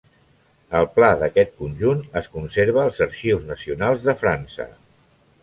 El pla d'aquest conjunt es conserva als Arxius Nacionals de França.